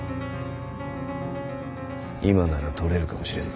今なら取れるかもしれんぞ。